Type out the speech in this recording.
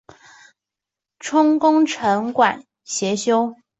充功臣馆协修。